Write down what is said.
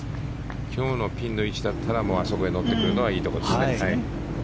今日のピンの位置だったらあそこで乗ってくるのはいいところですね。